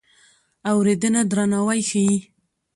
اورېدنه درناوی ښيي.